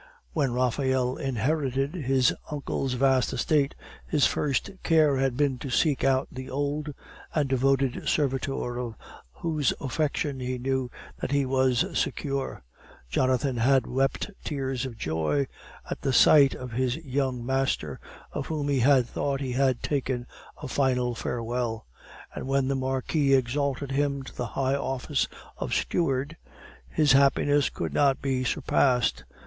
When Raphael inherited his uncle's vast estate, his first care had been to seek out the old and devoted servitor of whose affection he knew that he was secure. Jonathan had wept tears of joy at the sight of his young master, of whom he thought he had taken a final farewell; and when the marquis exalted him to the high office of steward, his happiness could not be surpassed.